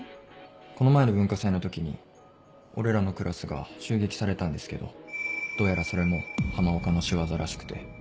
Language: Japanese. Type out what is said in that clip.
この前の文化祭の時に俺らのクラスが襲撃されたんですけどどうやらそれも浜岡の仕業らしくて。